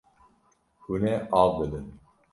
Hûn ê av bidin.